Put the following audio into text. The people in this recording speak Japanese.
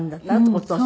お父様。